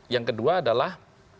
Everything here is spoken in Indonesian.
yang kedua adalah